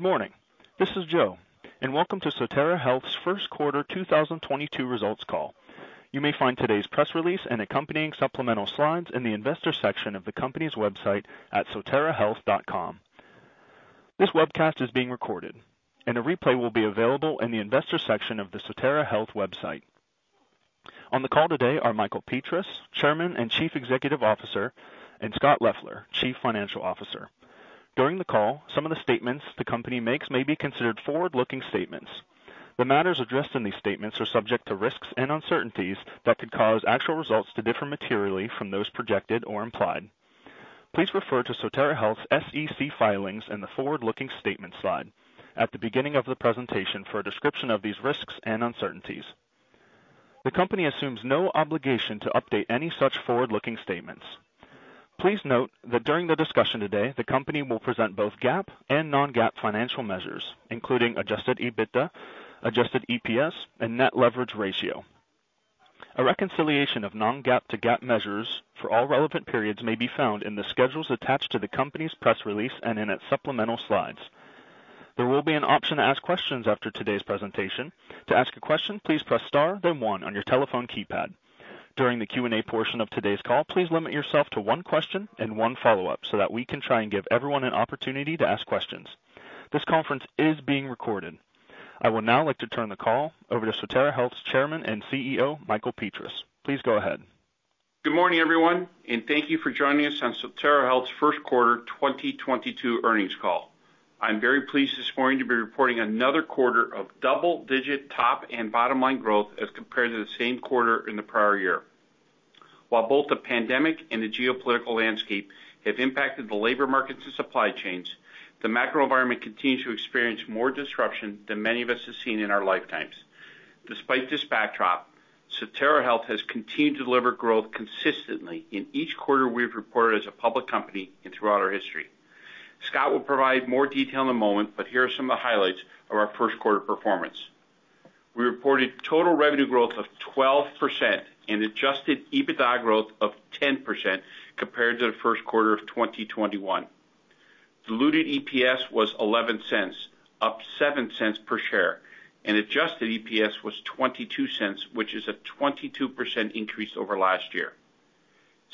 Morning. This is Joe, and welcome to Sotera Health's first quarter 2022 results call. You may find today's press release and accompanying supplemental slides in the investor section of the company's website at soterahealth.com. This webcast is being recorded, and a replay will be available in the investor section of the Sotera Health website. On the call today are Michael Petras, Chairman and Chief Executive Officer, and Scott Leffler, Chief Financial Officer. During the call, some of the statements the company makes may be considered forward-looking statements. The matters addressed in these statements are subject to risks and uncertainties that could cause actual results to differ materially from those projected or implied. Please refer to Sotera Health's SEC filings and the forward-looking statement slide at the beginning of the presentation for a description of these risks and uncertainties. The company assumes no obligation to update any such forward-looking statements. Please note that during the discussion today, the company will present both GAAP and non-GAAP financial measures, including adjusted EBITDA, adjusted EPS, and net leverage ratio. A reconciliation of non-GAAP to GAAP measures for all relevant periods may be found in the schedules attached to the company's press release and in its supplemental slides. There will be an option to ask questions after today's presentation. To ask a question, please press star, then one on your telephone keypad. During the Q&A portion of today's call, please limit yourself to one question and one follow-up so that we can try and give everyone an opportunity to ask questions. This conference is being recorded. I would now like to turn the call over to Sotera Health's Chairman and CEO, Michael Petras. Please go ahead. Good morning, everyone, and thank you for joining us on Sotera Health's first quarter 2022 earnings call. I'm very pleased this morning to be reporting another quarter of double-digit top and bottom-line growth as compared to the same quarter in the prior year. While both the pandemic and the geopolitical landscape have impacted the labor markets and supply chains, the macro environment continues to experience more disruption than many of us have seen in our lifetimes. Despite this backdrop, Sotera Health has continued to deliver growth consistently in each quarter we've reported as a public company and throughout our history. Scott will provide more detail in a moment, but here are some of the highlights of our first quarter performance. We reported total revenue growth of 12% and adjusted EBITDA growth of 10% compared to the first quarter of 2021. Diluted EPS was $0.11, up $0.07 per share, and adjusted EPS was $0.22, which is a 22% increase over last year.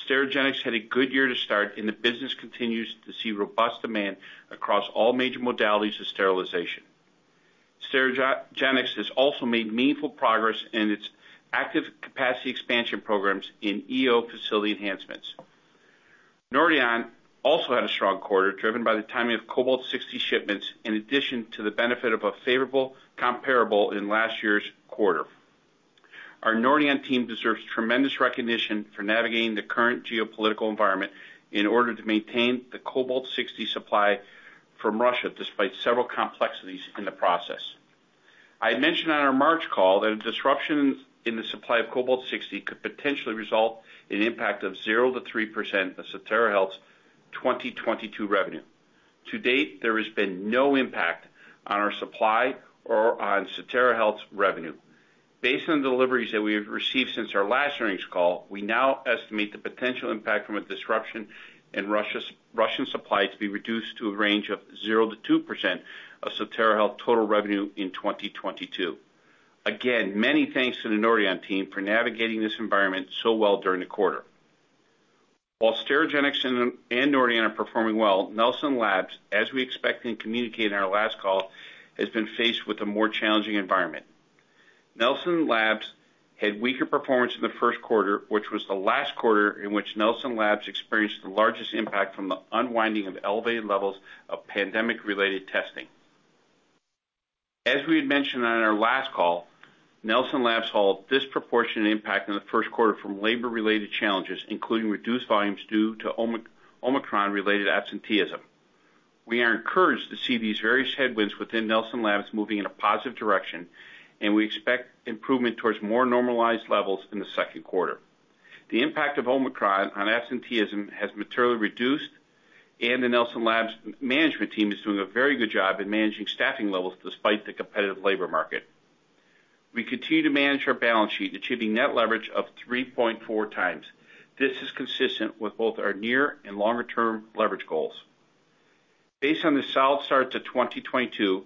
Sterigenics had a good year to start, and the business continues to see robust demand across all major modalities of sterilization. Sterigenics has also made meaningful progress in its active capacity expansion programs in EO facility enhancements. Nordion also had a strong quarter, driven by the timing of Cobalt-60 shipments, in addition to the benefit of a favorable comparable in last year's quarter. Our Nordion team deserves tremendous recognition for navigating the current geopolitical environment in order to maintain the Cobalt-60 supply from Russia, despite several complexities in the process. I had mentioned on our March call that a disruption in the supply of Cobalt-60 could potentially result in impact of 0%-3% of Sotera Health's 2022 revenue. To date, there has been no impact on our supply or on Sotera Health's revenue. Based on the deliveries that we have received since our last earnings call, we now estimate the potential impact from a disruption in Russian supply to be reduced to a range of 0%-2% of Sotera Health total revenue in 2022. Again, many thanks to the Nordion team for navigating this environment so well during the quarter. While Sterigenics and Nordion are performing well, Nelson Labs, as we expected and communicated in our last call, has been faced with a more challenging environment. Nelson Labs had weaker performance in the first quarter, which was the last quarter in which Nelson Labs experienced the largest impact from the unwinding of elevated levels of pandemic-related testing. As we had mentioned on our last call, Nelson Labs saw a disproportionate impact in the first quarter from labor-related challenges, including reduced volumes due to Omicron-related absenteeism. We are encouraged to see these various headwinds within Nelson Labs moving in a positive direction, and we expect improvement towards more normalized levels in the second quarter. The impact of Omicron on absenteeism has materially reduced, and the Nelson Labs management team is doing a very good job in managing staffing levels despite the competitive labor market. We continue to manage our balance sheet, achieving net leverage of 3.4x. This is consistent with both our near and longer-term leverage goals. Based on the solid start to 2022,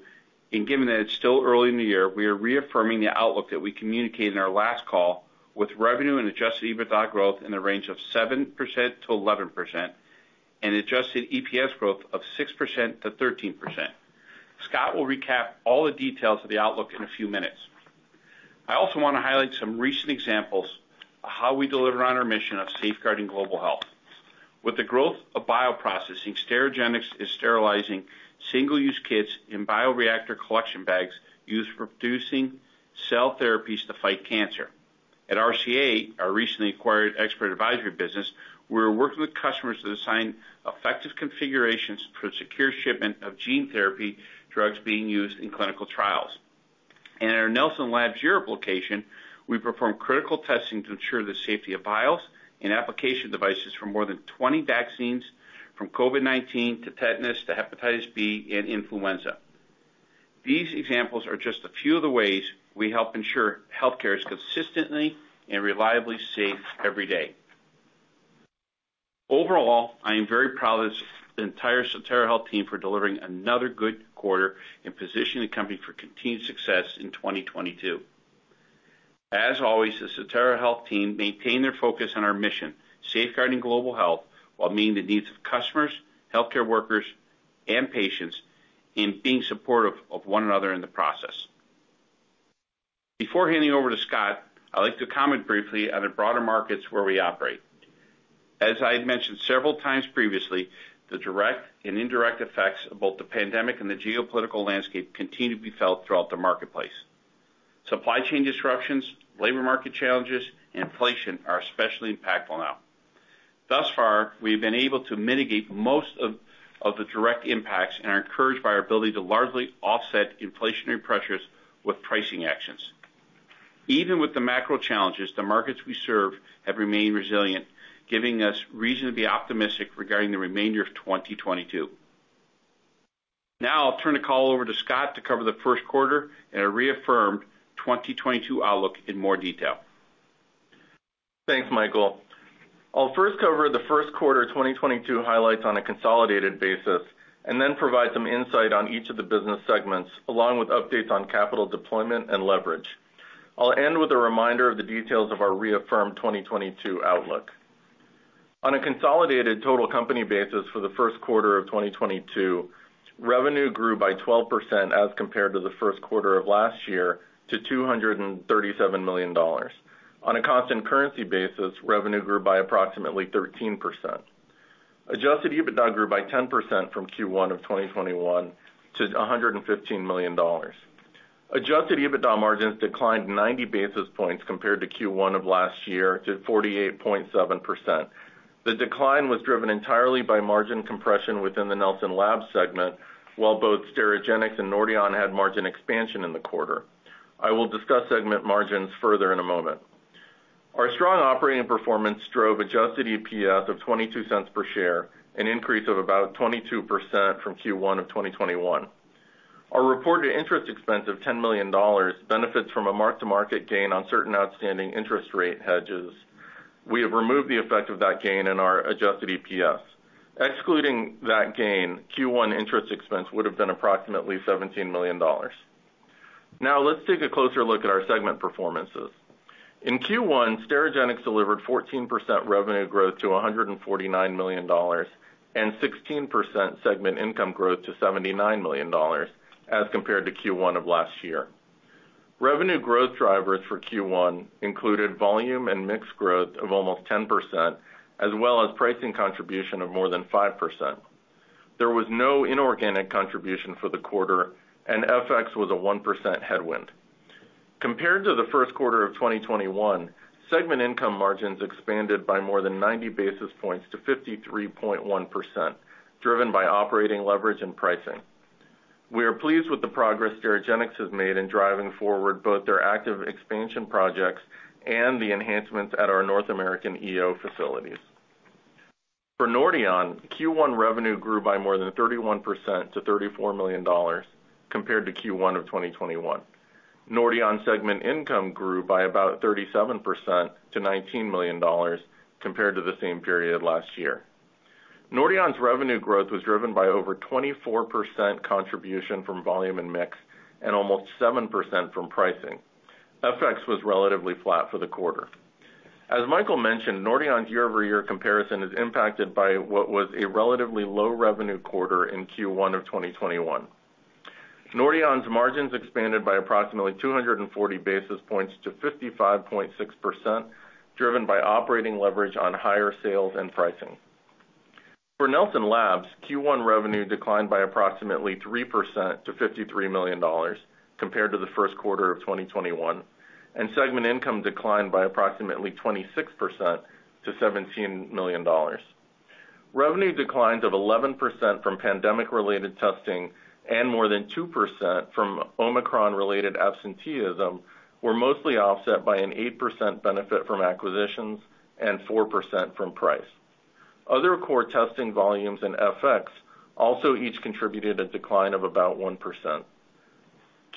and given that it's still early in the year, we are reaffirming the outlook that we communicated in our last call with revenue and adjusted EBITDA growth in the range of 7%-11% and adjusted EPS growth of 6%-13%. Scott will recap all the details of the outlook in a few minutes. I also wanna highlight some recent examples of how we deliver on our mission of safeguarding global health. With the growth of bioprocessing, Sterigenics is sterilizing single-use kits in bioreactor collection bags used for producing cell therapies to fight cancer. At RCA, our recently acquired expert advisory business, we're working with customers to design effective configurations for secure shipment of gene therapy drugs being used in clinical trials. At our Nelson Labs Europe location, we perform critical testing to ensure the safety of vials and application devices for more than 20 vaccines from COVID-19 to tetanus to hepatitis B and influenza. These examples are just a few of the ways we help ensure healthcare is consistently and reliably safe every day. Overall, I am very proud of the entire Sotera Health team for delivering another good quarter and positioning the company for continued success in 2022. As always, the Sotera Health team maintain their focus on our mission, safeguarding global health while meeting the needs of customers, healthcare workers, and patients in being supportive of one another in the process. Before handing over to Scott, I'd like to comment briefly on the broader markets where we operate. As I had mentioned several times previously, the direct and indirect effects of both the pandemic and the geopolitical landscape continue to be felt throughout the marketplace. Supply chain disruptions, labor market challenges, and inflation are especially impactful now. Thus far, we have been able to mitigate most of the direct impacts and are encouraged by our ability to largely offset inflationary pressures with pricing actions. Even with the macro challenges, the markets we serve have remained resilient, giving us reason to be optimistic regarding the remainder of 2022. Now I'll turn the call over to Scott to cover the first quarter and our reaffirmed 2022 outlook in more detail. Thanks, Michael. I'll first cover the first quarter 2022 highlights on a consolidated basis, and then provide some insight on each of the business segments, along with updates on capital deployment and leverage. I'll end with a reminder of the details of our reaffirmed 2022 outlook. On a consolidated total company basis for the first quarter of 2022, revenue grew by 12% as compared to the first quarter of last year to $237 million. On a constant currency basis, revenue grew by approximately 13%. Adjusted EBITDA grew by 10% from Q1 of 2021 to $115 million. Adjusted EBITDA margins declined 90 basis points compared to Q1 of last year to 48.7%. The decline was driven entirely by margin compression within the Nelson Labs segment, while both Sterigenics and Nordion had margin expansion in the quarter. I will discuss segment margins further in a moment. Our strong operating performance drove adjusted EPS of $0.22 per share, an increase of about 22% from Q1 of 2021. Our reported interest expense of $10 million benefits from a mark-to-market gain on certain outstanding interest rate hedges. We have removed the effect of that gain in our adjusted EPS. Excluding that gain, Q1 interest expense would have been approximately $17 million. Now let's take a closer look at our segment performances. In Q1, Sterigenics delivered 14% revenue growth to $149 million and 16% segment income growth to $79 million as compared to Q1 of last year. Revenue growth drivers for Q1 included volume and mix growth of almost 10% as well as pricing contribution of more than 5%. There was no inorganic contribution for the quarter, and FX was a 1% headwind. Compared to the first quarter of 2021, segment income margins expanded by more than 90 basis points to 53.1%, driven by operating leverage and pricing. We are pleased with the progress Sterigenics has made in driving forward both their active expansion projects and the enhancements at our North American EO facilities. For Nordion, Q1 revenue grew by more than 31% to $34 million compared to Q1 of 2021. Nordion segment income grew by about 37% to $19 million compared to the same period last year. Nordion's revenue growth was driven by over 24% contribution from volume and mix and almost 7% from pricing. FX was relatively flat for the quarter. As Michael mentioned, Nordion's year-over-year comparison is impacted by what was a relatively low revenue quarter in Q1 of 2021. Nordion's margins expanded by approximately 240 basis points to 55.6%, driven by operating leverage on higher sales and pricing. For Nelson Labs, Q1 revenue declined by approximately 3% to $53 million compared to the first quarter of 2021, and segment income declined by approximately 26% to $17 million. Revenue declines of 11% from pandemic-related testing and more than 2% from Omicron-related absenteeism were mostly offset by an 8% benefit from acquisitions and 4% from price. Other core testing volumes in FX also each contributed a decline of about 1%.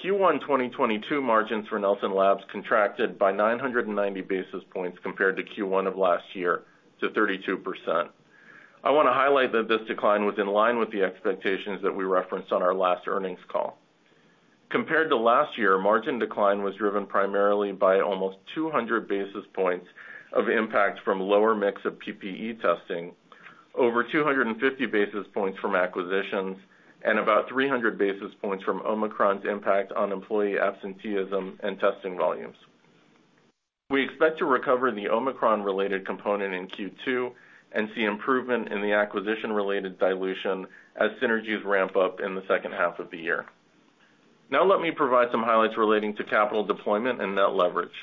Q1 2022 margins for Nelson Labs contracted by 990 basis points compared to Q1 of last year to 32%. I wanna highlight that this decline was in line with the expectations that we referenced on our last earnings call. Compared to last year, margin decline was driven primarily by almost 200 basis points of impact from lower mix of PPE testing, over 250 basis points from acquisitions, and about 300 basis points from Omicron's impact on employee absenteeism and testing volumes. We expect to recover the Omicron-related component in Q2 and see improvement in the acquisition-related dilution as synergies ramp up in the second half of the year. Now let me provide some highlights relating to capital deployment and net leverage.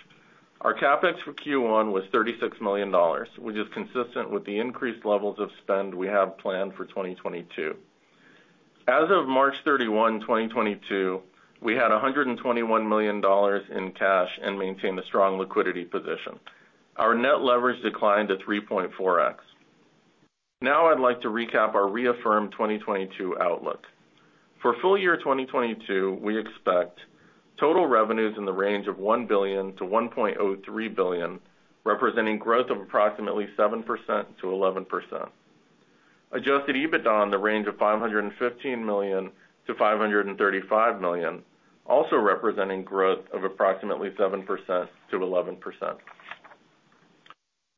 Our CapEx for Q1 was $36 million, which is consistent with the increased levels of spend we have planned for 2022. As of March 31, 2022, we had $121 million in cash and maintained a strong liquidity position. Our net leverage declined to 3.4x. Now I'd like to recap our reaffirmed 2022 outlook. For full year 2022, we expect total revenues in the range of $1 billion-$1.03 billion, representing growth of approximately 7%-11%. Adjusted EBITDA in the range of $515 million-$535 million, also representing growth of approximately 7%-11%.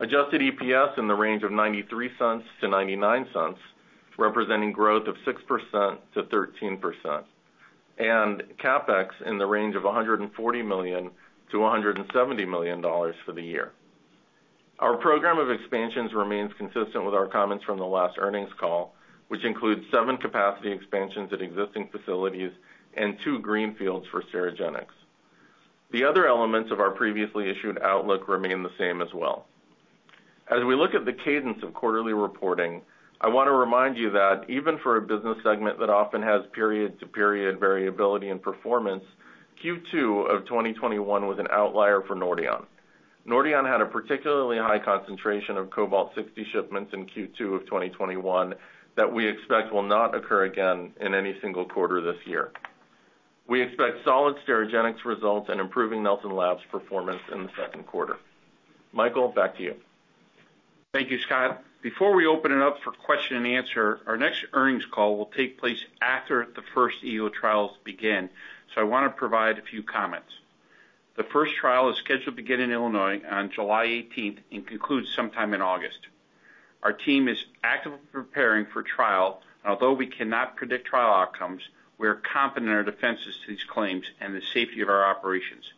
Adjusted EPS in the range of $0.93-$0.99, representing growth of 6%-13%. CapEx in the range of $140 million-$170 million for the year. Our program of expansions remains consistent with our comments from the last earnings call, which includes seven capacity expansions at existing facilities and two greenfields for Sterigenics. The other elements of our previously issued outlook remain the same as well. As we look at the cadence of quarterly reporting, I wanna remind you that even for a business segment that often has period-to-period variability and performance, Q2 of 2021 was an outlier for Nordion. Nordion had a particularly high concentration of Cobalt-60 shipments in Q2 of 2021 that we expect will not occur again in any single quarter this year. We expect solid Sterigenics results and improving Nelson Labs performance in the second quarter. Michael, back to you. Thank you, Scott. Before we open it up for question-and-answer, our next earnings call will take place after the first EO trials begin, so I wanna provide a few comments. The first trial is scheduled to begin in Illinois on July 18th and concludes sometime in August. Our team is actively preparing for trial, and although we cannot predict trial outcomes, we are confident in our defenses to these claims and the safety of our operations.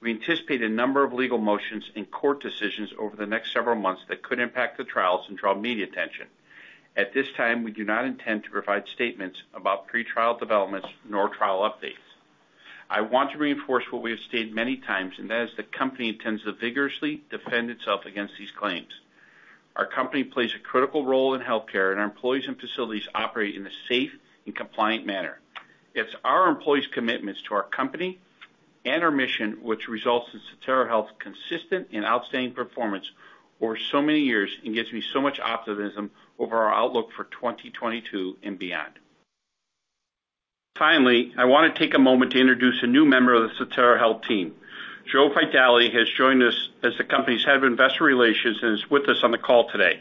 We anticipate a number of legal motions and court decisions over the next several months that could impact the trials and draw media attention. At this time, we do not intend to provide statements about pretrial developments nor trial updates. I want to reinforce what we have stated many times, and that is the company intends to vigorously defend itself against these claims. Our company plays a critical role in healthcare, and our employees and facilities operate in a safe and compliant manner. It's our employees' commitments to our company and our mission which results in Sotera Health's consistent and outstanding performance over so many years and gives me so much optimism over our outlook for 2022 and beyond. Finally, I wanna take a moment to introduce a new member of the Sotera Health team. Joe Vitale has joined us as the company's Head of Investor Relations and is with us on the call today.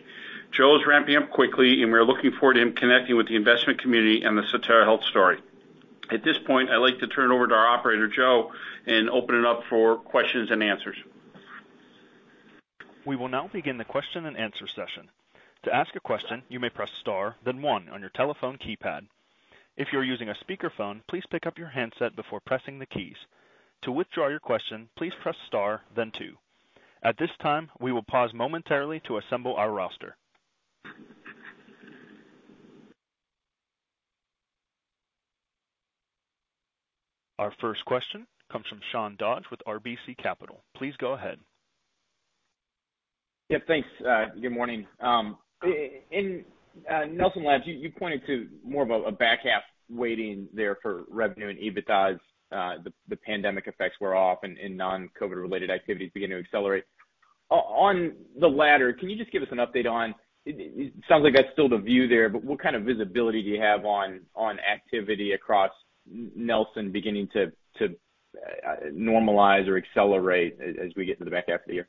Joe is ramping up quickly, and we're looking forward to him connecting with the investment community and the Sotera Health story. At this point, I'd like to turn it over to our operator, Joe, and open it up for questions and answers. We will now begin the question-and-answer session. To ask a question, you may press star, then one on your telephone keypad. If you are using a speakerphone, please pick up your handset before pressing the keys. To withdraw your question, please press star, then two. At this time, we will pause momentarily to assemble our roster. Our first question comes from Sean Dodge with RBC Capital. Please go ahead. Yeah, thanks. Good morning. In Nelson Labs, you pointed to more of a back half weighting there for revenue and EBITDA as the pandemic effects wear off and non-COVID-related activities begin to accelerate. On the latter, can you just give us an update? It sounds like that's still the view there, but what kind of visibility do you have on activity across Nelson beginning to normalize or accelerate as we get to the back half of the year?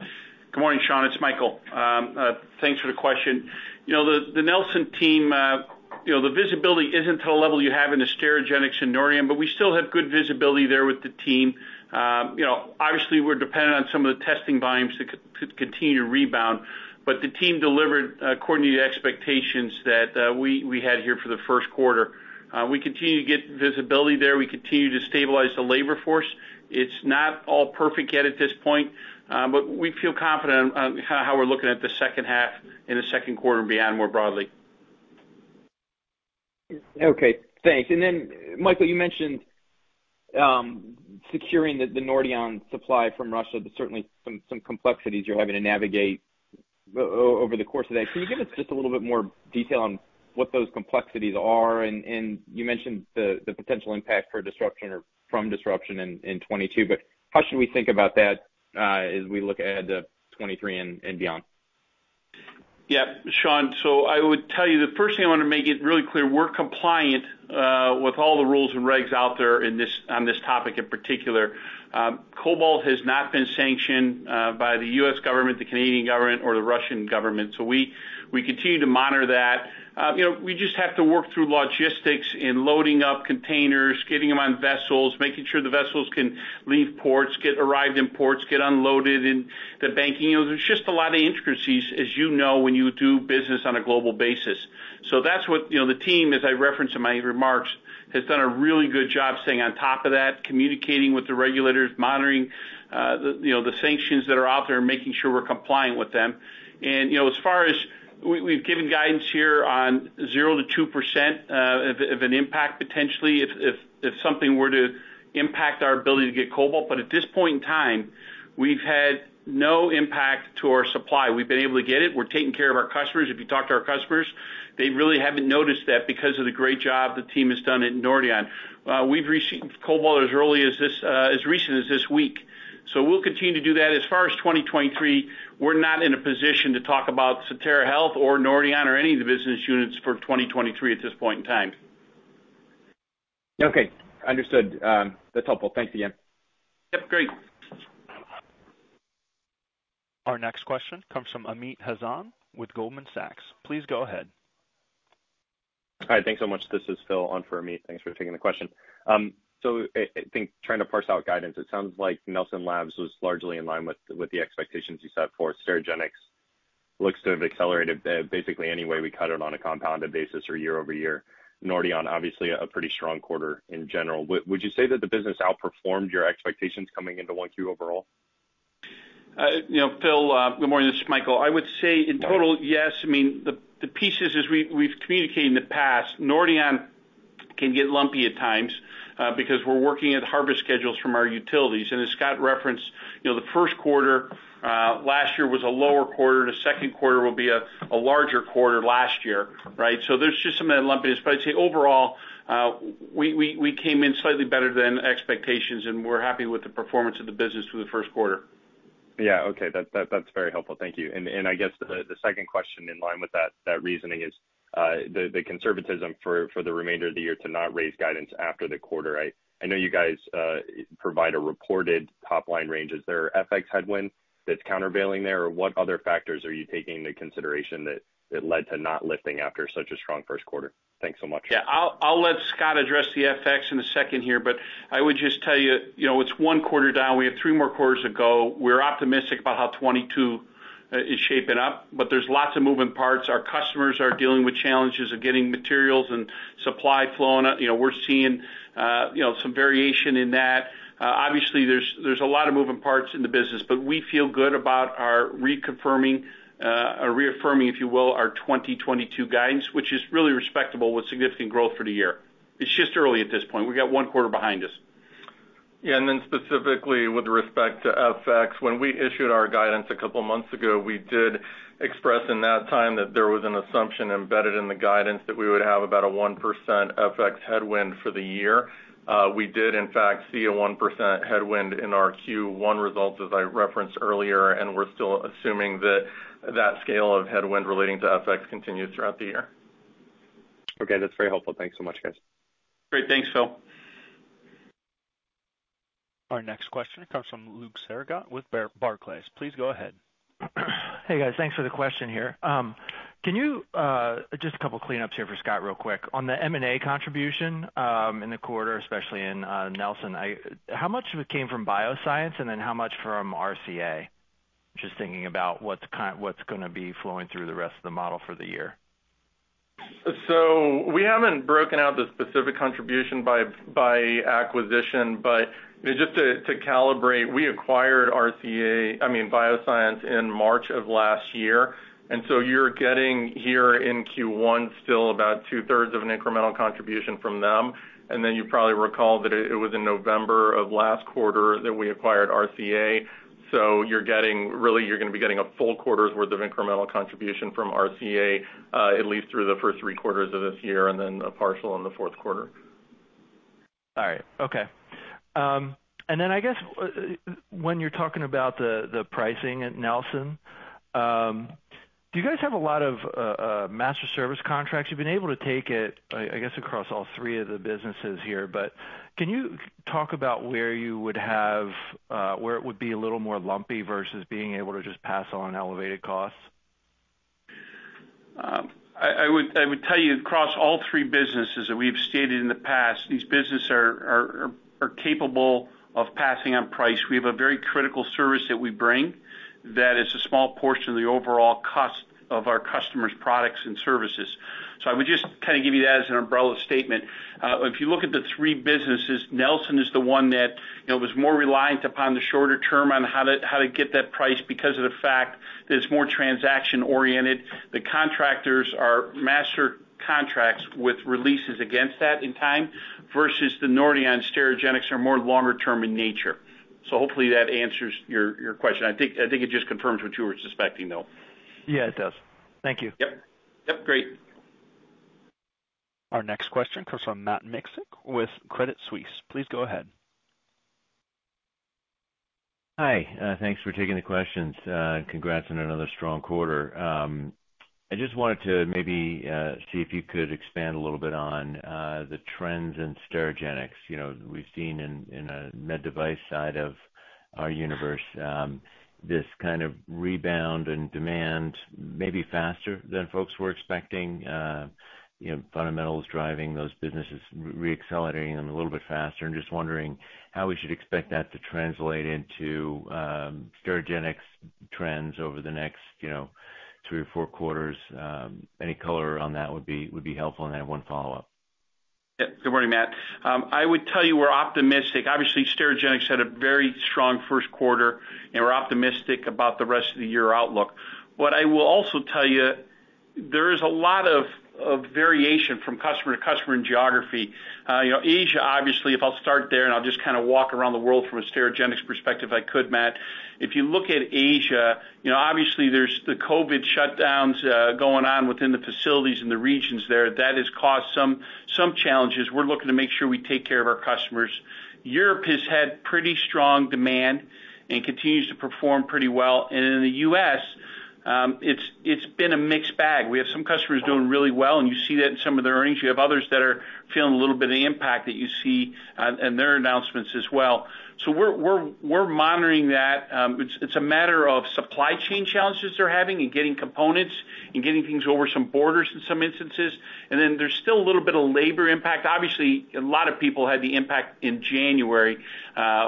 Good morning, Sean. It's Michael. Thanks for the question. You know, the Nelson team, you know, the visibility isn't to the level you have in the Sterigenics and Nordion, but we still have good visibility there with the team. You know, obviously, we're dependent on some of the testing volumes to continue to rebound, but the team delivered according to the expectations that we had here for the first quarter. We continue to get visibility there. We continue to stabilize the labor force. It's not all perfect yet at this point, but we feel confident on how we're looking at the second half in the second quarter and beyond more broadly. Okay, thanks. Michael, you mentioned securing the Nordion supply from Russia. There's certainly some complexities you're having to navigate over the course of that. Can you give us just a little bit more detail on what those complexities are? You mentioned the potential impact for disruption or from disruption in 2022, but how should we think about that as we look ahead to 2023 and beyond? Yeah. Sean, I would tell you the first thing I wanna make it really clear, we're compliant with all the rules and regs out there on this topic in particular. Cobalt has not been sanctioned by the U.S. government, the Canadian government, or the Russian government. We continue to monitor that. You know, we just have to work through logistics in loading up containers, getting them on vessels, making sure the vessels can leave ports, arrive in ports, get unloaded in the banking. You know, there's just a lot of intricacies, as you know, when you do business on a global basis. That's what, you know, the team, as I referenced in my remarks, has done a really good job staying on top of that, communicating with the regulators, monitoring the, you know, the sanctions that are out there and making sure we're compliant with them. You know, as far as we've given guidance here on 0%-2% of an impact potentially if something were to impact our ability to get cobalt. At this point in time, we've had no impact to our supply. We've been able to get it. We're taking care of our customers. If you talk to our customers, they really haven't noticed that because of the great job the team has done at Nordion. We've received cobalt as early as this, as recent as this week. We'll continue to do that. As far as 2023, we're not in a position to talk about Sotera Health or Nordion or any of the business units for 2023 at this point in time. Okay. Understood. That's helpful. Thanks again. Yep, great. Our next question comes from Amit Hazan with Goldman Sachs. Please go ahead. Hi. Thanks so much. This is Phil on for Amit. Thanks for taking the question. I think trying to parse out guidance, it sounds like Nelson Labs was largely in line with the expectations you set for Sterigenics. Looks to have accelerated basically any way we cut it on a compounded basis or year-over-year. Nordion, obviously a pretty strong quarter in general. Would you say that the business outperformed your expectations coming into 1Q overall? You know, Phil, good morning. This is Michael. I would say in total, yes. I mean, the pieces as we've communicated in the past, Nordion can get lumpy at times, because we're working at harvest schedules from our utilities. As Scott referenced, you know, the first quarter last year was a lower quarter. The second quarter will be a larger quarter last year, right? So there's just some of that lumpiness. I'd say overall, we came in slightly better than expectations, and we're happy with the performance of the business for the first quarter. Yeah. Okay. That's very helpful. Thank you. I guess the second question in line with that reasoning is the conservatism for the remainder of the year to not raise guidance after the quarter. I know you guys provide a reported top-line range. Is there FX headwind that's countervailing there? Or what other factors are you taking into consideration that led to not lifting after such a strong first quarter? Thanks so much. Yeah. I'll let Scott address the FX in a second here, but I would just tell you know, it's one quarter down, we have three more quarters to go. We're optimistic about how 2022 is shaping up, but there's lots of moving parts. Our customers are dealing with challenges of getting materials and supply flowing. You know, we're seeing some variation in that. Obviously there's a lot of moving parts in the business, but we feel good about our reconfirming or reaffirming, if you will, our 2022 guidance, which is really respectable with significant growth for the year. It's just early at this point. We've got one quarter behind us. Yeah. Specifically with respect to FX, when we issued our guidance a couple months ago, we did express in that time that there was an assumption embedded in the guidance that we would have about a 1% FX headwind for the year. We did in fact see a 1% headwind in our Q1 results, as I referenced earlier, and we're still assuming that that scale of headwind relating to FX continues throughout the year. Okay. That's very helpful. Thanks so much, guys. Great. Thanks, Phil. Our next question comes from Luke Sergott with Barclays. Please go ahead. Hey, guys. Thanks for the question here. Can you, just a couple cleanups here for Scott real quick. On the M&A contribution, in the quarter, especially in Nelson, how much of it came from BioScience and then how much from RCA? Just thinking about what's gonna be flowing through the rest of the model for the year. We haven't broken out the specific contribution by acquisition. Just to calibrate, we acquired RCA—I mean, BioScience in March of last year, and you're getting here in Q1 still about 2/3 of an incremental contribution from them. Then you probably recall that it was in November of last quarter that we acquired RCA. You're getting. Really, you're gonna be getting a full quarter's worth of incremental contribution from RCA, at least through the first three quarters of this year, and then a partial in the fourth quarter. All right. Okay. I guess, when you're talking about the pricing at Nelson, do you guys have a lot of master service contracts? You've been able to take it, I guess, across all three of the businesses here. Can you talk about where it would be a little more lumpy versus being able to just pass on elevated costs? I would tell you across all three businesses that we've stated in the past, these businesses are capable of passing on price. We have a very critical service that we bring that is a small portion of the overall cost of our customers' products and services. I would just kind of give you that as an umbrella statement. If you look at the three businesses, Nelson is the one that, you know, was more reliant upon the shorter term on how to get that price because of the fact that it's more transaction-oriented. The contractors are master contracts with releases against that in time versus the Nordion Sterigenics are more longer term in nature. Hopefully that answers your question. I think it just confirms what you were suspecting, though. Yeah, it does. Thank you. Yep. Yep, great. Our next question comes from Matt Miksic with Credit Suisse. Please go ahead. Hi. Thanks for taking the questions. Congrats on another strong quarter. I just wanted to maybe see if you could expand a little bit on the trends in Sterigenics. You know, we've seen in the med device side of our universe this kind of rebound in demand maybe faster than folks were expecting. You know, fundamentals driving those businesses, re-accelerating them a little bit faster. I'm just wondering how we should expect that to translate into Sterigenics trends over the next, you know, three or four quarters. Any color on that would be helpful. I have one follow-up. Yeah. Good morning, Matt. I would tell you we're optimistic. Obviously, Sterigenics had a very strong first quarter, and we're optimistic about the rest of the year outlook. What I will also tell you, there is a lot of variation from customer to customer in geography. You know, Asia, obviously, if I'll start there, and I'll just kind of walk around the world from a Sterigenics perspective, if I could, Matt. If you look at Asia, you know, obviously there's the COVID shutdowns going on within the facilities in the regions there. That has caused some challenges. We're looking to make sure we take care of our customers. Europe has had pretty strong demand and continues to perform pretty well. In the U.S., it's been a mixed bag. We have some customers doing really well, and you see that in some of their earnings. You have others that are feeling a little bit of impact that you see in their announcements as well. We're monitoring that. It's a matter of supply chain challenges they're having in getting components and getting things over some borders in some instances. Then there's still a little bit of labor impact. Obviously, a lot of people had the impact in January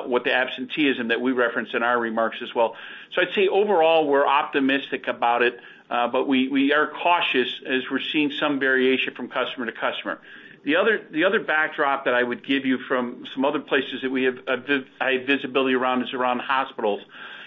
with the absenteeism that we referenced in our remarks as well. I'd say overall, we're optimistic about it, but we are cautious as we're seeing some variation from customer to customer. The other backdrop that I would give you from some other places that we have a high visibility around is around hospitals.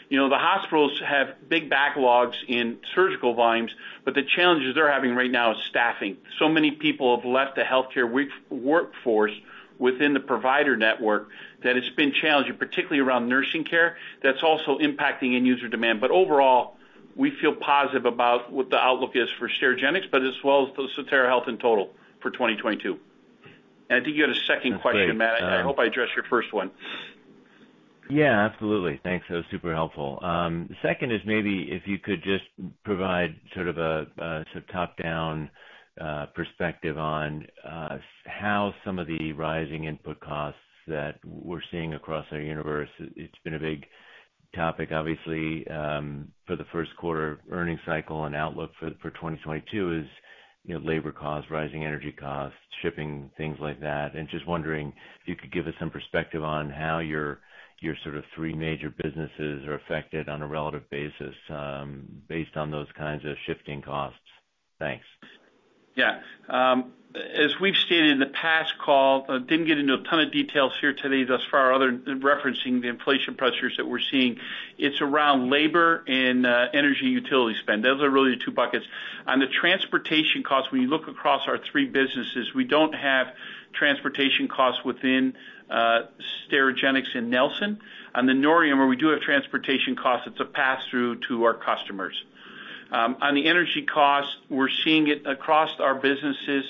You know, the hospitals have big backlogs in surgical volumes, but the challenges they're having right now is staffing. So many people have left the healthcare workforce within the provider network that it's been challenging, particularly around nursing care. That's also impacting end user demand. Overall, we feel positive about what the outlook is for Sterigenics, but as well as the Sotera Health in total for 2022. I think you had a second question, Matt. I hope I addressed your first one. Yeah, absolutely. Thanks. That was super helpful. The second is maybe if you could just provide sort of a top-down perspective on how some of the rising input costs that we're seeing across our universe. It's been a big topic, obviously, for the first quarter earnings cycle and outlook for 2022. You know, labor costs, rising energy costs, shipping, things like that. Just wondering if you could give us some perspective on how your sort of three major businesses are affected on a relative basis, based on those kinds of shifting costs. Thanks. Yeah. As we've stated in the past call, didn't get into a ton of details here today thus far other than referencing the inflation pressures that we're seeing. It's around labor and energy utility spend. Those are really the two buckets. On the transportation costs, when you look across our three businesses, we don't have transportation costs within Sterigenics and Nelson. On the Nordion, where we do have transportation costs, it's a pass-through to our customers. On the energy costs, we're seeing it across our businesses,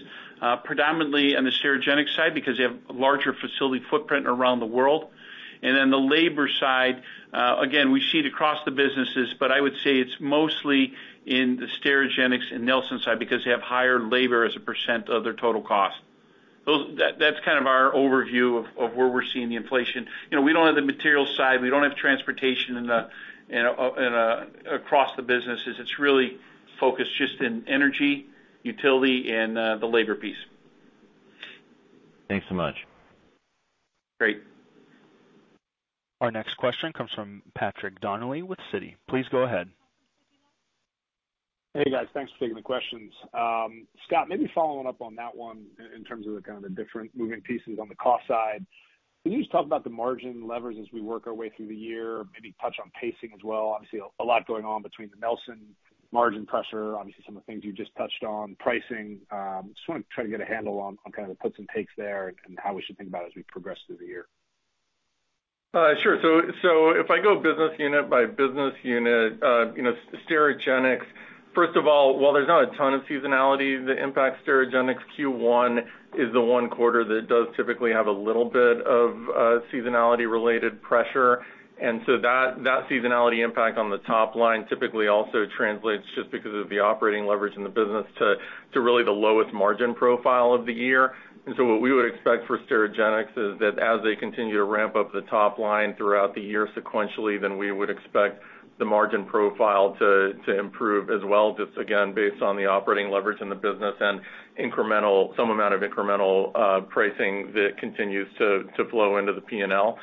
predominantly on the Sterigenics side because they have a larger facility footprint around the world. Then the labor side, again, we see it across the businesses, but I would say it's mostly in the Sterigenics and Nelson side because they have higher labor as a percent of their total cost. That's kind of our overview of where we're seeing the inflation. You know, we don't have the material side. We don't have transportation across the businesses. It's really focused just in energy, utility, and the labor piece. Thanks so much. Great. Our next question comes from Patrick Donnelly with Citi. Please go ahead. Hey, guys. Thanks for taking the questions. Scott, maybe following up on that one in terms of the kind of the different moving pieces on the cost side. Can you just talk about the margin levers as we work our way through the year, maybe touch on pacing as well? Obviously, a lot going on between the Nelson margin pressure, obviously some of the things you just touched on, pricing. Just want to try to get a handle on kind of the puts and takes there and how we should think about it as we progress through the year. Sure. If I go business unit by business unit, you know, Sterigenics, first of all, while there's not a ton of seasonality that impacts Sterigenics, Q1 is the one quarter that does typically have a little bit of seasonality-related pressure. That seasonality impact on the top line typically also translates just because of the operating leverage in the business to really the lowest margin profile of the year. What we would expect for Sterigenics is that as they continue to ramp up the top line throughout the year sequentially, then we would expect the margin profile to improve as well, just again, based on the operating leverage in the business and some amount of incremental pricing that continues to flow into the P&L.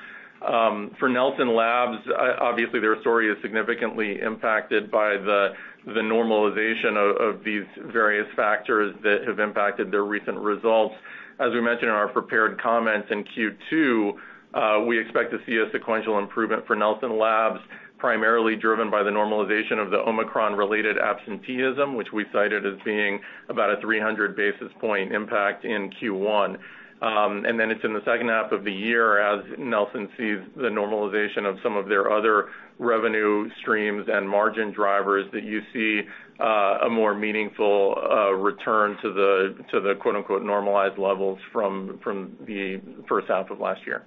For Nelson Labs, obviously their story is significantly impacted by the normalization of these various factors that have impacted their recent results. As we mentioned in our prepared comments in Q2, we expect to see a sequential improvement for Nelson Labs, primarily driven by the normalization of the Omicron-related absenteeism, which we cited as being about a 300 basis point impact in Q1. It's in the second half of the year as Nelson sees the normalization of some of their other revenue streams and margin drivers that you see a more meaningful return to the "normalized levels" from the first half of last year.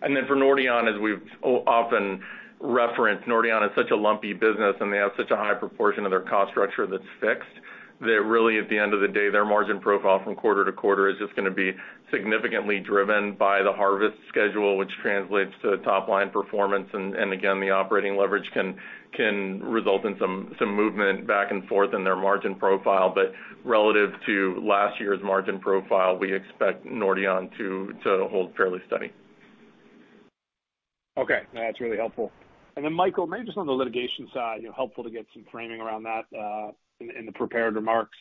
Then for Nordion, as we've often referenced, Nordion is such a lumpy business, and they have such a high proportion of their cost structure that's fixed, that really at the end of the day, their margin profile from quarter to quarter is just gonna be significantly driven by the harvest schedule, which translates to top line performance. Again, the operating leverage can result in some movement back and forth in their margin profile. Relative to last year's margin profile, we expect Nordion to hold fairly steady. Okay. That's really helpful. Michael, maybe just on the litigation side, you know, helpful to get some framing around that, in the prepared remarks.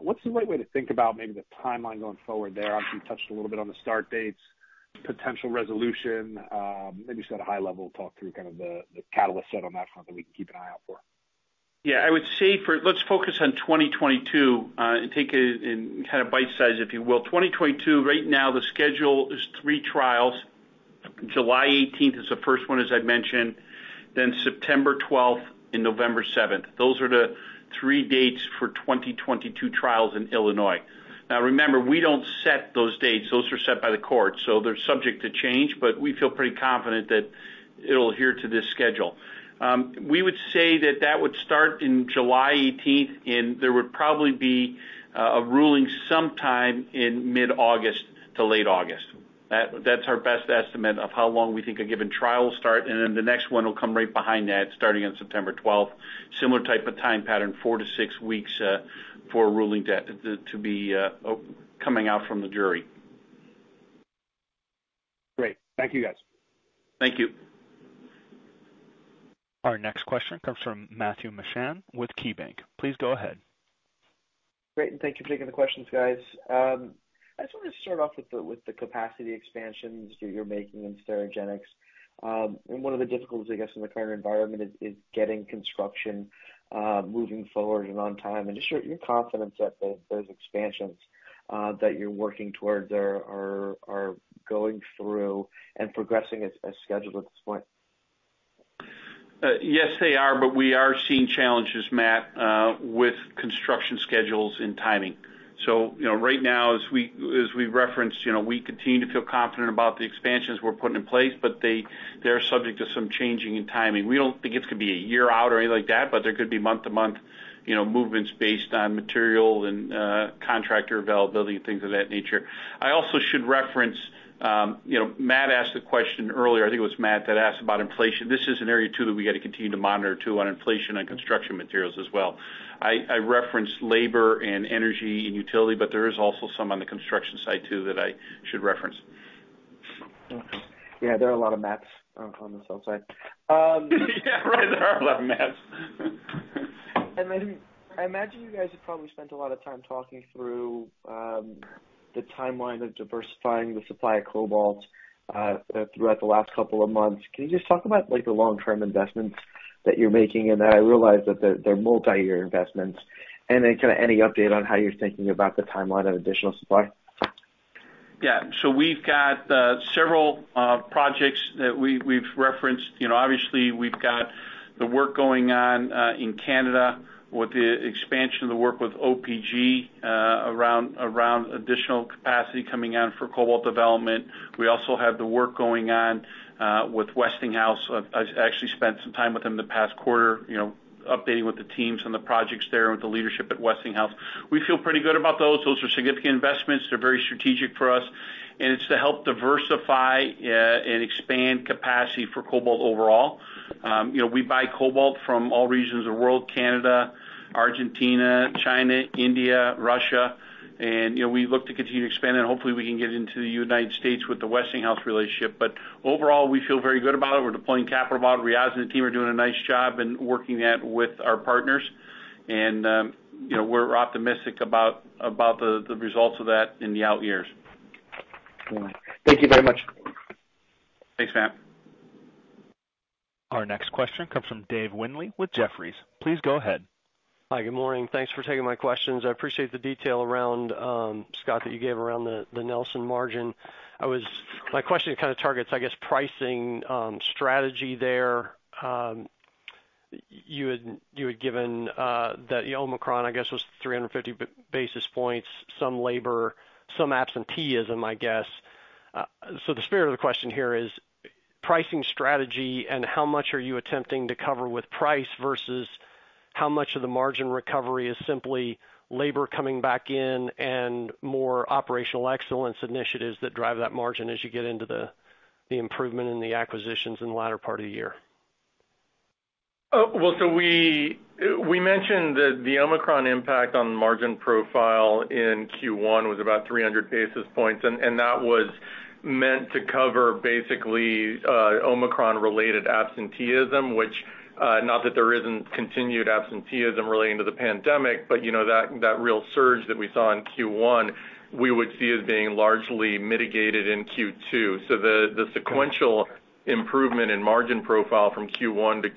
What's the right way to think about maybe the timeline going forward there? Obviously, you touched a little bit on the start dates, potential resolution. Maybe just at a high level, talk through kind of the catalyst set on that front that we can keep an eye out for. Yeah, I would say let's focus on 2022 and take it in kind of bite size, if you will. 2022, right now, the schedule is three trials. July 18th is the first one, as I mentioned, then September 12th and November 7th. Those are the three dates for 2022 trials in Illinois. Now remember, we don't set those dates. Those are set by the court, so they're subject to change, but we feel pretty confident that it'll adhere to this schedule. We would say that would start in July 18th, and there would probably be a ruling sometime in mid-August to late August. That's our best estimate of how long we think a given trial will last, and then the next one will come right behind that, starting on September 12th. Similar type of time pattern, four to six weeks, for a ruling to be coming out from the jury. Great. Thank you, guys. Thank you. Our next question comes from Matthew Mishan with KeyBanc. Please go ahead. Great, thank you for taking the questions, guys. I just wanted to start off with the capacity expansions that you're making in Sterigenics. One of the difficulties, I guess, in the current environment is getting construction moving forward and on time and just your confidence that those expansions that you're working towards are going through and progressing as scheduled at this point. Yes, they are, but we are seeing challenges, Matt, with construction schedules and timing. You know, right now as we referenced, you know, we continue to feel confident about the expansions we're putting in place, but they're subject to some changing in timing. We don't think it's gonna be a year out or anything like that, but there could be month-to-month, you know, movements based on material and contractor availability, things of that nature. I also should reference, you know, Matt asked a question earlier. I think it was Matt that asked about inflation. This is an area, too, that we got to continue to monitor, too, on inflation on construction materials as well. I referenced labor and energy and utility, but there is also some on the construction side, too, that I should reference. Okay. Yeah, there are a lot of Matts on this phone call. Yeah. Right. There are a lot of Matts. I imagine you guys have probably spent a lot of time talking through the timeline of diversifying the supply of cobalt throughout the last couple of months. Can you just talk about like the long-term investments that you're making? I realize that they're multi-year investments. Kind of any update on how you're thinking about the timeline of additional supply. Yeah. We've got several projects that we've referenced. You know, obviously we've got the work going on in Canada with the expansion of the work with OPG around additional capacity coming on for cobalt development. We also have the work going on with Westinghouse. I've actually spent some time with them in the past quarter, you know, updating with the teams on the projects there with the leadership at Westinghouse. We feel pretty good about those. Those are significant investments. They're very strategic for us, and it's to help diversify and expand capacity for cobalt overall. You know, we buy cobalt from all regions of the world, Canada, Argentina, China, India, Russia, and, you know, we look to continue to expand it. Hopefully, we can get into the United States with the Westinghouse relationship. Overall, we feel very good about it. We're deploying capital about it. Riaz and the team are doing a nice job in working that with our partners. You know, we're optimistic about the results of that in the out years. All right. Thank you very much. Thanks, Matt. Our next question comes from Dave Windley with Jefferies. Please go ahead. Hi, good morning. Thanks for taking my questions. I appreciate the detail around Scott that you gave around the Nelson margin. My question kind of targets, I guess, pricing strategy there. You had given that the Omicron, I guess, was 350 basis points, some labor, some absenteeism, I guess. So the spirit of the question here is pricing strategy and how much are you attempting to cover with price versus how much of the margin recovery is simply labor coming back in and more operational excellence initiatives that drive that margin as you get into the improvement in the acquisitions in the latter part of the year? Oh, well, we mentioned that the Omicron impact on margin profile in Q1 was about 300 basis points, and that was meant to cover basically Omicron-related absenteeism, which not that there isn't continued absenteeism relating to the pandemic, but you know, that real surge that we saw in Q1, we would see as being largely mitigated in Q2. The sequential improvement in margin profile from Q1 to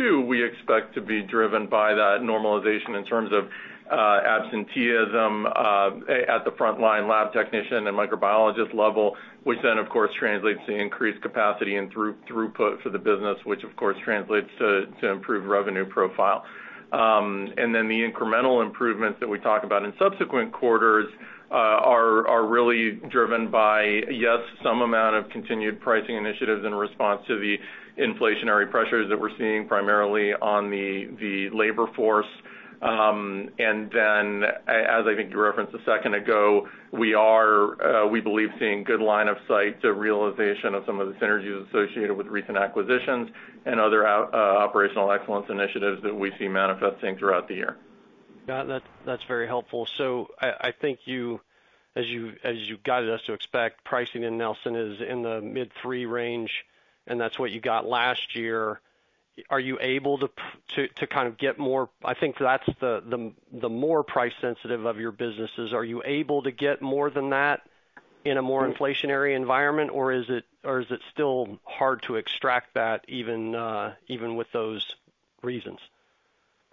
Q2, we expect to be driven by that normalization in terms of absenteeism at the frontline lab technician and microbiologist level, which then of course translates to increased capacity and throughput for the business, which of course translates to improved revenue profile. The incremental improvements that we talk about in subsequent quarters are really driven by, yes, some amount of continued pricing initiatives in response to the inflationary pressures that we're seeing primarily on the labor force. As I think you referenced a second ago, we believe we are seeing good line of sight to realization of some of the synergies associated with recent acquisitions and other operational excellence initiatives that we see manifesting throughout the year. Got it. That's very helpful. I think you, as you guided us to expect, pricing in Nelson is in the mid-three range, and that's what you got last year. Are you able to kind of get more? I think that's the more price sensitive of your businesses. Are you able to get more than that in a more inflationary environment, or is it still hard to extract that even with those reasons?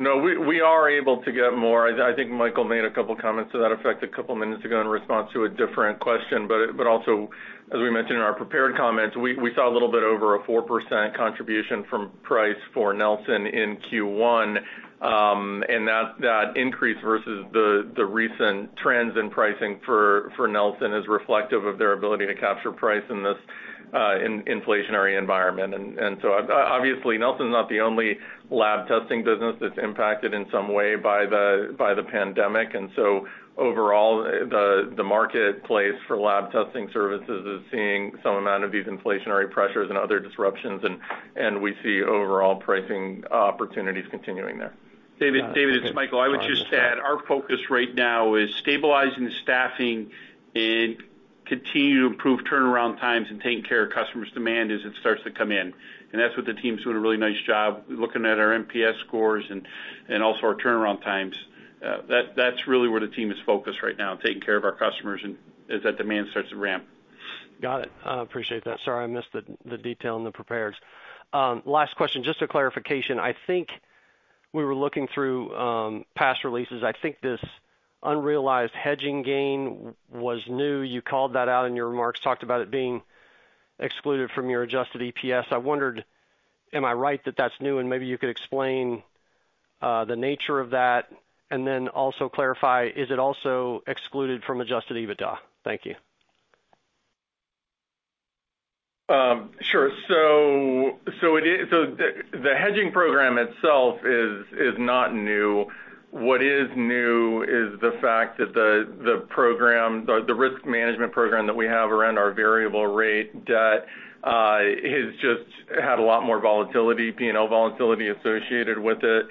No, we are able to get more. I think Michael made a couple comments to that effect a couple minutes ago in response to a different question. Also, as we mentioned in our prepared comments, we saw a little bit over 4% contribution from price for Nelson in Q1. That increase versus the recent trends in pricing for Nelson is reflective of their ability to capture price in this inflationary environment. Obviously, Nelson is not the only lab testing business that's impacted in some way by the pandemic. Overall, the marketplace for lab testing services is seeing some amount of these inflationary pressures and other disruptions, and we see overall pricing opportunities continuing there. David, it's Michael. I would just add, our focus right now is stabilizing the staffing and continue to improve turnaround times and taking care of customers' demand as it starts to come in. That's what the team's doing a really nice job, looking at our NPS scores and also our turnaround times. That's really where the team is focused right now, taking care of our customers and as that demand starts to ramp. Got it. I appreciate that. Sorry, I missed the detail in the prepared remarks. Last question, just a clarification. I think we were looking through past releases. I think this unrealized hedging gain was new. You called that out in your remarks, talked about it being excluded from your adjusted EPS. I wondered, am I right that that's new? Maybe you could explain the nature of that, and then also clarify, is it also excluded from adjusted EBITDA? Thank you. Sure. The hedging program itself is not new. What is new is the fact that the program, the risk management program that we have around our variable rate debt has just had a lot more volatility, P&L volatility associated with it,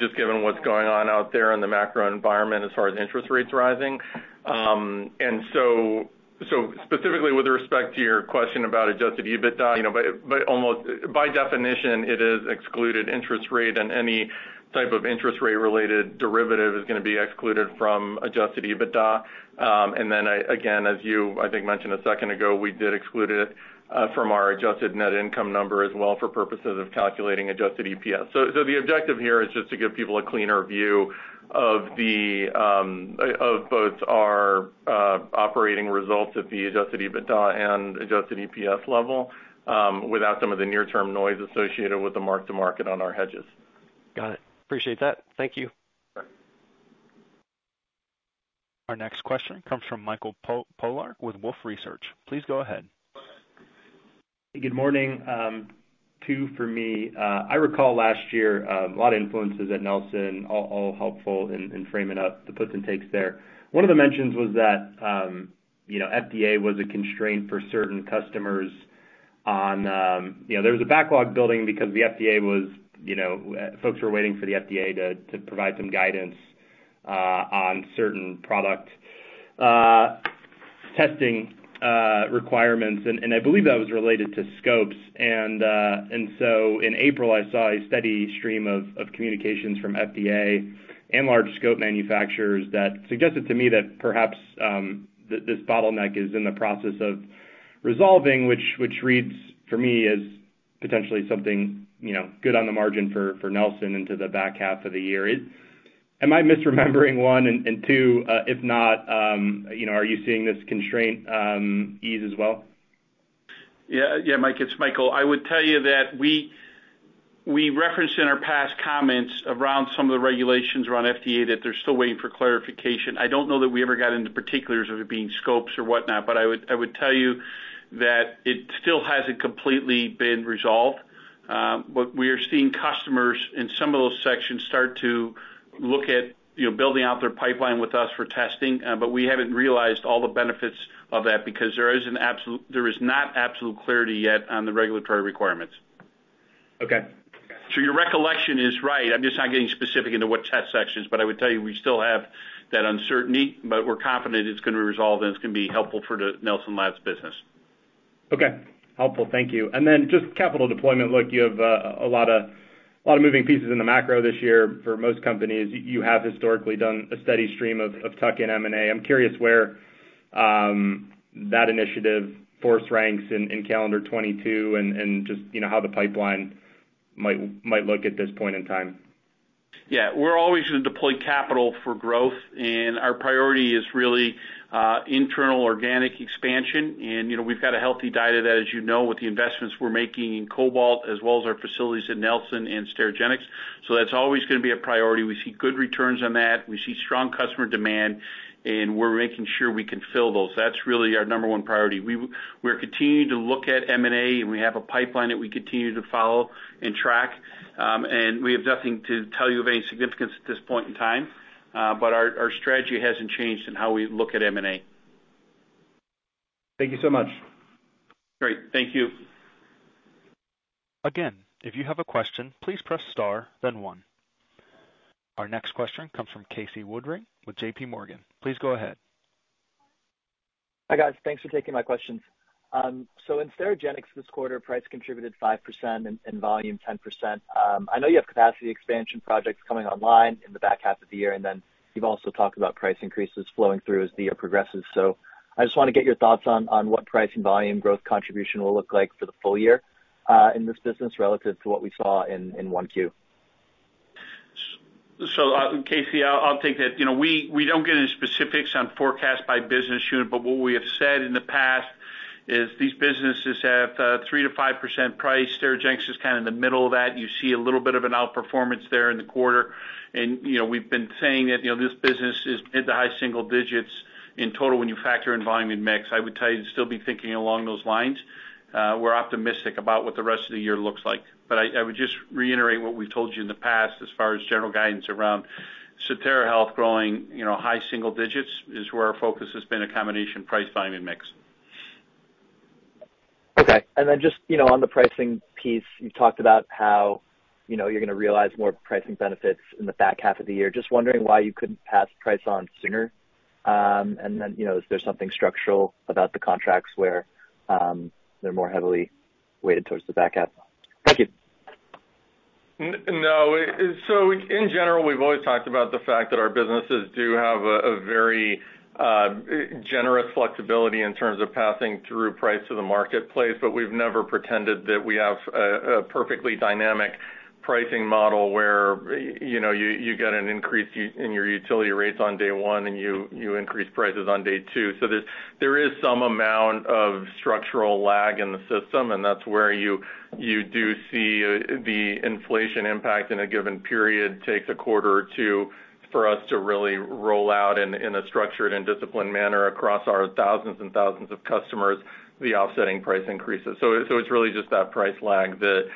just given what's going on out there in the macro environment as far as interest rates rising. Specifically with respect to your question about adjusted EBITDA, you know, but almost by definition, it has excluded interest rate and any type of interest rate-related derivative is gonna be excluded from adjusted EBITDA. Again, as you, I think, mentioned a second ago, we did exclude it from our adjusted net income number as well for purposes of calculating adjusted EPS. The objective here is just to give people a cleaner view of both our operating results at the adjusted EBITDA and adjusted EPS level without some of the near-term noise associated with the mark-to-market on our hedges. Got it. Appreciate that. Thank you. Sure. Our next question comes from Michael Polark with Wolfe Research. Please go ahead. Good morning. Two for me. I recall last year, a lot of influences at Nelson, all helpful in framing up the puts and takes there. One of the mentions was that, you know, FDA was a constraint for certain customers on, you know, there was a backlog building because the FDA was, you know, folks were waiting for the FDA to provide some guidance on certain product testing requirements. I believe that was related to scopes. In April, I saw a steady stream of communications from FDA and large scope manufacturers that suggested to me that perhaps, this bottleneck is in the process of resolving, which reads for me as potentially something, you know, good on the margin for Nelson into the back half of the year. Am I misremembering one? Two, if not, you know, are you seeing this constraint ease as well? Yeah, yeah, Mike, it's Michael. I would tell you that we referenced in our past comments around some of the regulations around FDA that they're still waiting for clarification. I don't know that we ever got into particulars of it being scopes or whatnot, but I would tell you that it still hasn't completely been resolved. But we are seeing customers in some of those sections start to look at, you know, building out their pipeline with us for testing. But we haven't realized all the benefits of that because there is not absolute clarity yet on the regulatory requirements. Your recollection is right. I'm just not getting specific into what test sections. I would tell you, we still have that uncertainty, but we're confident it's gonna be resolved and it's gonna be helpful for the Nelson Labs business. Okay. Helpful. Thank you. Just capital deployment. Look, you have a lot of moving pieces in the macro this year for most companies. You have historically done a steady stream of tuck-in M&A. I'm curious where that initiative falls in calendar 2022 and just, you know, how the pipeline might look at this point in time. Yeah. We're always gonna deploy capital for growth, and our priority is really internal organic expansion. You know, we've got a healthy diet of that, as you know, with the investments we're making in cobalt as well as our facilities in Nelson and Sterigenics. That's always gonna be a priority. We see good returns on that. We see strong customer demand, and we're making sure we can fill those. That's really our number one priority. We're continuing to look at M&A, and we have a pipeline that we continue to follow and track. We have nothing to tell you of any significance at this point in time. Our strategy hasn't changed in how we look at M&A. Thank you so much. Great. Thank you. Again, if you have a question, please press star, then one. Our next question comes from Casey Woodring with JPMorgan. Please go ahead. Hi, guys. Thanks for taking my questions. In Sterigenics this quarter, price contributed 5% and volume 10%. I know you have capacity expansion projects coming online in the back half of the year, and then you've also talked about price increases flowing through as the year progresses. I just wanna get your thoughts on what price and volume growth contribution will look like for the full year, in this business relative to what we saw in 1Q. Casey, I'll take that. You know, we don't get into specifics on forecast by business unit, but what we have said in the past is these businesses have 3%-5% price. Sterigenics is kind of in the middle of that. You see a little bit of an outperformance there in the quarter. You know, we've been saying that, you know, this business is mid to high single digits in total when you factor in volume and mix. I would tell you to still be thinking along those lines. We're optimistic about what the rest of the year looks like. I would just reiterate what we've told you in the past as far as general guidance around Sotera Health growing, you know, high single digits is where our focus has been, a combination price, volume, and mix. Okay. Just, you know, on the pricing piece, you talked about how, you know, you're gonna realize more pricing benefits in the back half of the year. Just wondering why you couldn't pass price on sooner? You know, is there something structural about the contracts where they're more heavily weighted towards the back half? Thank you. No. In general, we've always talked about the fact that our businesses do have a very generous flexibility in terms of passing through price to the marketplace, but we've never pretended that we have a perfectly dynamic pricing model where, you know, you get an increase in your utility rates on day one, and you increase prices on day two. There is some amount of structural lag in the system, and that's where you do see the inflation impact in a given period takes a quarter or two for us to really roll out in a structured and disciplined manner across our thousands and thousands of customers, the offsetting price increases. It's really just that price lag that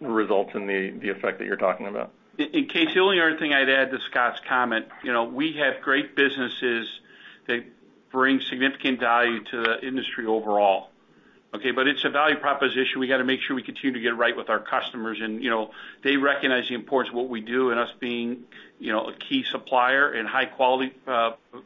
results in the effect that you're talking about. Casey, the only other thing I'd add to Scott's comment, you know, we have great businesses that bring significant value to the industry overall. Okay. It's a value proposition. We gotta make sure we continue to get it right with our customers and, you know, they recognize the importance of what we do and us being, you know, a key supplier and high quality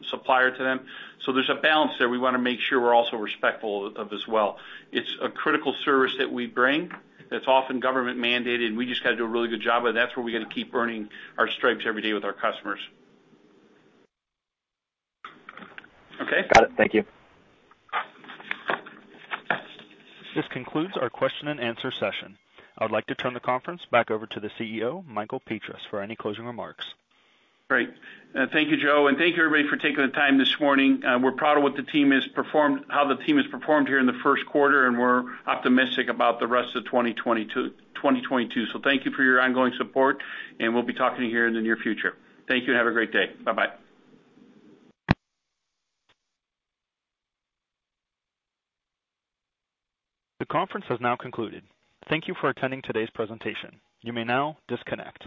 supplier to them. There's a balance there. We wanna make sure we're also respectful of as well. It's a critical service that we bring that's often government mandated, and we just gotta do a really good job, and that's where we gotta keep earning our stripes every day with our customers. Okay. Got it. Thank you. This concludes our question-and-answer session. I would like to turn the conference back over to the CEO, Michael Petras, for any closing remarks. Great. Thank you, Joe. Thank you everybody for taking the time this morning. We're proud of how the team has performed here in the first quarter, and we're optimistic about the rest of 2022. Thank you for your ongoing support, and we'll be talking to you here in the near future. Thank you, and have a great day. Bye-bye. The conference has now concluded. Thank you for attending today's presentation. You may now disconnect.